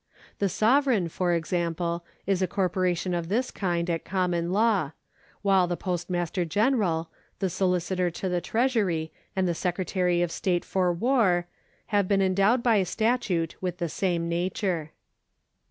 The Sovereign, for example, is a corporation of this kind at com mon law, while the Postmaster General,^ the Solicitor to the Treasury, 2 and the Secretary of State for War ^ have been endowed by statute with the same nature.